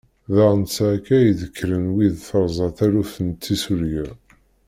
Daɣ netta akka i d-kkren wid terza taluft n tissulya.